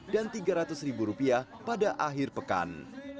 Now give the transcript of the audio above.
rp tiga ratus ribu rupiah pada akhir pekan